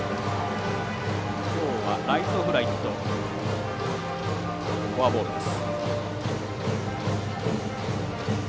きょうはライトフライとフォアボールです。